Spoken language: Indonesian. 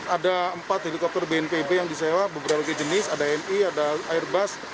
ada empat helikopter bnpb yang disewa beberapa jenis ada mi ada airbus